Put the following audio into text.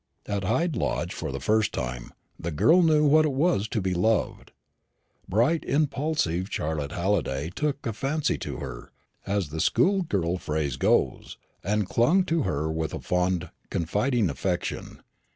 At Hyde Lodge, for the first time, the girl knew what it was to be loved. Bright, impulsive Charlotte Halliday took a fancy to her, as the schoolgirl phrase goes, and clung to her with a fond confiding affection.